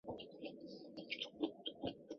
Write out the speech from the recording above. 宣宗对此十分满意。